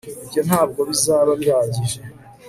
ibyo ntabwo bizaba bihagije